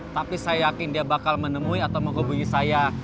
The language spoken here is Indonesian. tapi saya yakin dia bakal menemui atau menghubungi saya